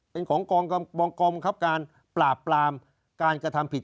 เป็นของกองบังคับการปราบปรามการกระทำผิด